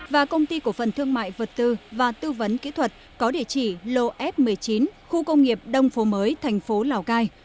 và công ty cổ phần thương mại vật tư và tư vấn kỹ thuật có địa chỉ lô f một mươi chín khu công nghiệp đông phố mới thành phố lào cai